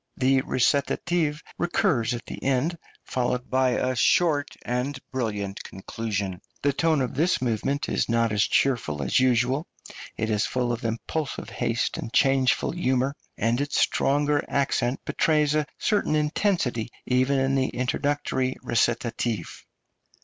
The recitative recurs at the end, followed by a short and brilliant conclusion. The tone of this movement is not as cheerful as usual; it is full of impulsive haste and changeful humour, and its stronger accent betrays a certain intensity, even in the introductory recitative.